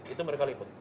itu mereka liput